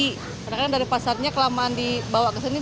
kadang kadang dari pasarnya kelamaan dibawa ke sini